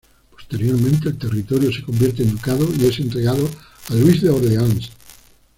Posteriormente el territorio se convierte en ducado y es entregado a Luis de Orleans.